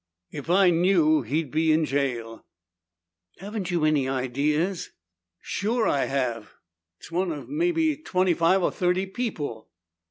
"If I knew, he'd be in jail." "Haven't you any ideas?" "Sure I have. It's one of maybe twenty five or thirty people."